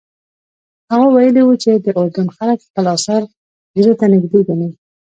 هغه ویلي وو چې د اردن خلک خپل اثار زړه ته نږدې ګڼي.